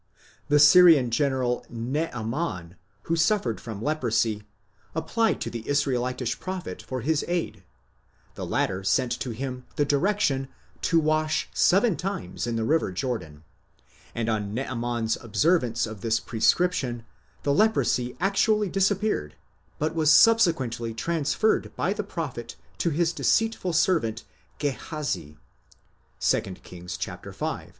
The Syrian general, Naaman, who suffered from leprosy, applied to the Israelitish prophet for his aid ; the latter sent to him the direction to wash seven times in the river Jordan, and on Naaman's observance of this prescription the leprosy actually disappeared but was sub sequently transferred by the prophet to his deceitful servant Gehazi (2 Kings v.).